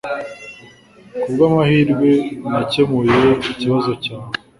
Kubwamahirwe, nakemuye ikibazo cyawe.